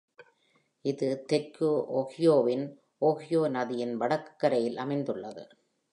இது தெற்கு ஓஹியோவின் ஓஹியோ நதியின் வடக்குக் கரையில் அமைந்துள்ளது.